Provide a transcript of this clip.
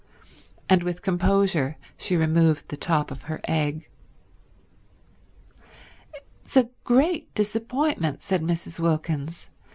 And with composure she removed the top of her egg. "It's a great disappointment," said Mrs. Wilkins.